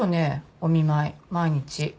お見舞い毎日。